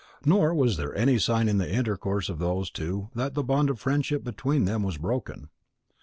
Nor was there any sign in the intercourse of those two that the bond of friendship between them was broken.